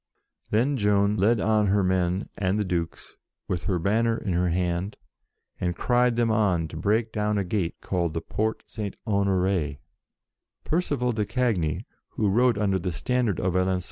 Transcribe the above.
Then Joan led on her men and the Duke's, with her banner in her hand, and cried them on to break down a gate called the Porte St. Honore". 74 JOAN OF ARC Percival de Cagny, who rode under the standard of Alenc.